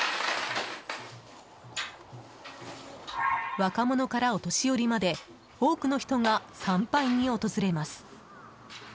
若者からお年寄りまで多くの人が参拝に訪れます。